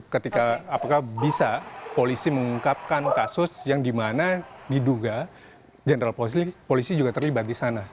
ketika apakah bisa polisi mengungkapkan kasus yang dimana diduga jenderal polisi juga terlibat di sana